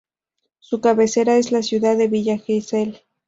Su cabecera es la ciudad de Villa Gesell.